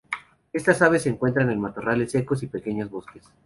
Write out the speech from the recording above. Estas aves se encuentran en matorrales secos y pequeños bosques.